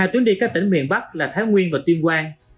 ba tuyến đi các tỉnh miền bắc là thái nguyên và tuyên quang